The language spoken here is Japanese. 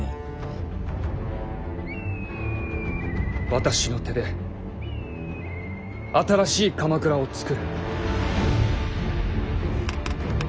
私の手で新しい鎌倉をつくる。